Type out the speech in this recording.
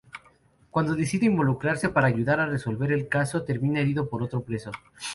Cuando decide involucrarse para ayudar a resolver el caso, termina herido por otro preso.